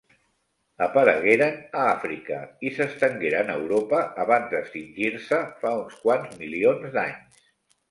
Aparegueren a Àfrica i s'estengueren a Europa abans d'extingir-se fa uns quants milions d'anys.